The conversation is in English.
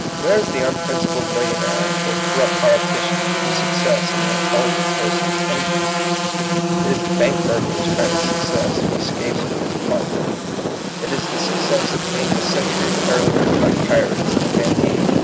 Where is the unprin cipled millionaire or corrupt politician whose success any intelligent person en vies ? It is the bank burglar's kind of suc cess, who escapes with his plunder. It is the success obtained a century earlier by pirates and banditti.